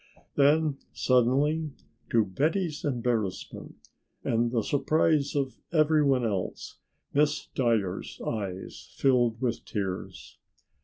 Then suddenly, to Betty's embarrassment and the surprise of everyone else, Miss Dyer's eyes filled with tears.